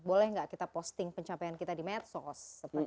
boleh nggak kita posting pencapaian kita di medsos